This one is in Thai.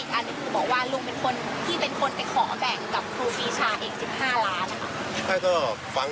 แล้วก็อีกอันหนึ่งคุณบอกว่าลุงเป็นคนที่เป็นคนไปขอแบ่ง